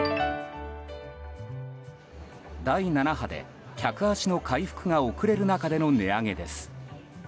第７波で客足の回復が遅れる中での値上げです。